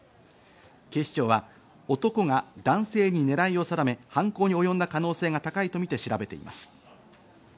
警視庁は男が男性にねらいを定め犯行におよんだ可能性が高いとみて調べています。